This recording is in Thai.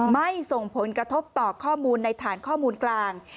ไม่ส่งผลกระทบต่อข้อมูลในฐานข้อมูลกลาง